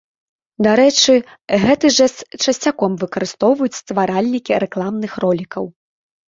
Дарэчы, гэты жэст часцяком выкарыстоўваюць стваральнікі рэкламных ролікаў.